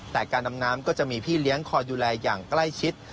แต่การดำน้ำก็จะมีพี่เลี้ยงคอยดูแลอย่างใกล้ชิด